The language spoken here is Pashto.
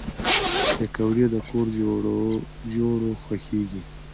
پکورې د کور جوړو خوښېږي